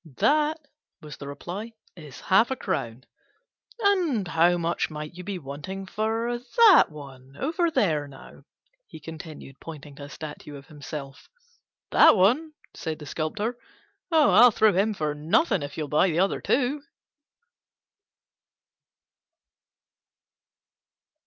"That," was the reply, "is half a crown." "And how much might you be wanting for that one over there, now?" he continued, pointing to a statue of himself. "That one?" said the Sculptor; "Oh, I'll throw him in for nothing if you'll buy the other two."